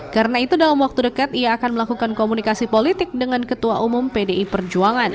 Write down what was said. karena itu dalam waktu dekat ia akan melakukan komunikasi politik dengan ketua umum pdi perjuangan